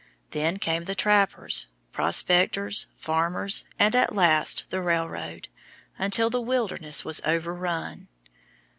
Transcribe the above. Then came the trappers, prospectors, farmers, and at last the railroad, until the wilderness was over run.